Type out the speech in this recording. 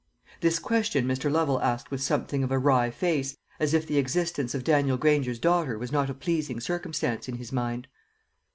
This question Mr. Lovel asked with something of a wry face, as if the existence of Daniel Granger's daughter was not a pleasing circumstance in his mind.